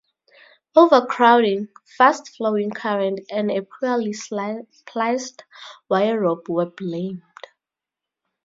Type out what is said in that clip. Overcrowding, fast flowing current and a poorly spliced wire rope were blamed.